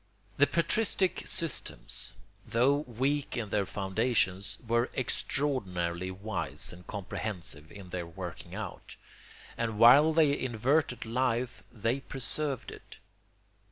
The Patristic systems, though weak in their foundations, were extraordinarily wise and comprehensive in their working out; and while they inverted life they preserved it.